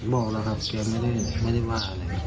บอกแล้วครับแกไม่ได้ว่าอะไร